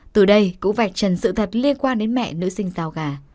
từ đây cũng vạch trần sự thật liên quan đến mẹ nữ sinh giao gà